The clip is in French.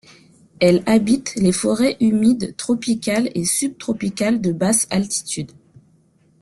Elle habite les forêts humides tropicales et subtropicales de basse altitude.